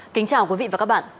kính chào quý vị và các bạn